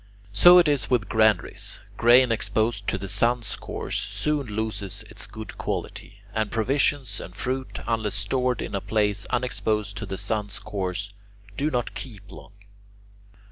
So it is with granaries: grain exposed to the sun's course soon loses its good quality, and provisions and fruit, unless stored in a place unexposed to the sun's course, do not keep long.